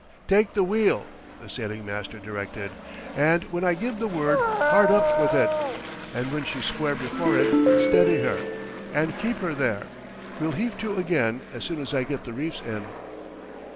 "Take the wheel!" the sailing master directed. "And when I give the word, hard up with it! And when she's square before it, steady her! And keep her there! We'll heave to again as soon as I get the reefs in!"